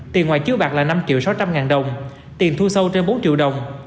tiền ngoài chiếu bạc là năm triệu sáu trăm linh ngàn đồng tiền thu sâu trên bốn triệu đồng